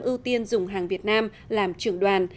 ưu tiên dùng hàng việt nam làm trưởng đoàn